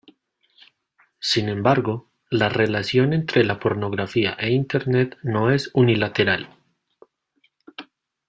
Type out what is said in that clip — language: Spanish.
Sin embargo, la relación entre la pornografía e Internet no es unilateral.